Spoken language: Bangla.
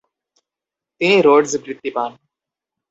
তিনি রোড্স বৃত্তি পান।